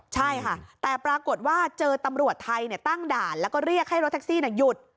ใช่ค่ะแต่ปรากฏว่าเจอตำรวจไทยตั้งด่านแล้วก็เรียกให้รถแท็กซี่หยุด